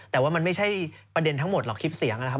แต่ว่ามันไม่ใช่ประเด็นทั้งหมดหรอกคลิปเสียงนะครับ